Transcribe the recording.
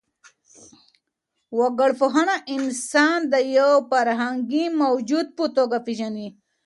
وګړپوهنه انسان د يو فرهنګي موجود په توګه پېژني.